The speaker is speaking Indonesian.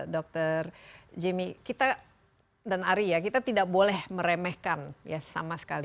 dr jimmy dan ari ya kita tidak boleh meremehkan ya sama sekali